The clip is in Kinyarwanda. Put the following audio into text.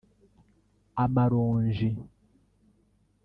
amaronji